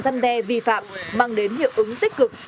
giăn đe vi phạm mang đến hiệu ứng tích cực